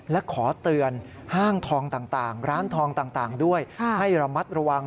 และขอเตือนห้างทองต่างร้านทองต่างด้วยให้ระมัดระวัง